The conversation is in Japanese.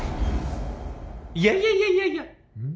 いやいやいやいやいやうん？